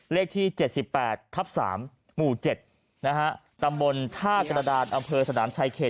เลขที่๗๘ทับ๓หมู่๗นะฮะตำบลท่ากระดานอำเภอสนามชายเขต